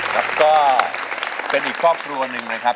แล้วก็เป็นอีกครอบครัวหนึ่งนะครับ